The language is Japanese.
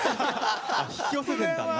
引き寄せるんだな。